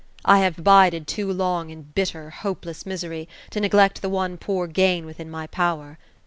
" I have abided too long in bitter, hopeless misery, to neglect the one poor gain within my power.